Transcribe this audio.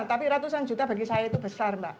tapi ratusan juta bagi saya itu besar mbak